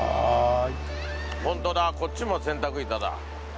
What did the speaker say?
ホントだこっちも洗濯板だ。